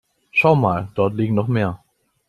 Schau mal, dort liegen noch mehr.